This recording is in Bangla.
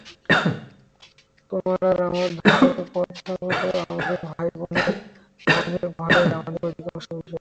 তোমার আর আমার ধর্মের কথা হলো আমাদের ভাই-বোনের, আমাদের ঘরের আমাদের অধিকারের বিষয়।